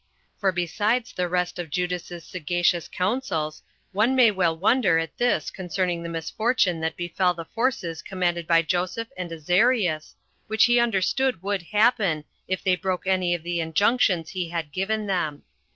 For besides the rest of Judas's sagacious counsels, one may well wonder at this concerning the misfortune that befell the forces commanded by Joseph and Azarias, which he understood would happen, if they broke any of the injunctions he had given them.